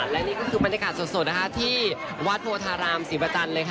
และนี่ก็คือบรรยากาศสดนะคะที่วัดโพธารามศรีประจันทร์เลยค่ะ